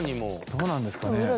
どうなんですかね。